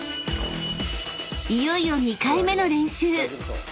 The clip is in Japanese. ［いよいよ２回目の練習］